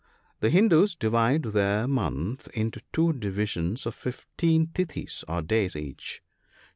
— The Hindoos divide their month into two divisions of fifteen tithees (or days) each.